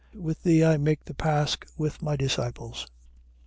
With thee I make the pasch with my disciples.